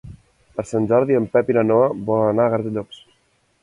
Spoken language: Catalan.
Per Sant Jordi en Pep i na Noa volen anar a Gratallops.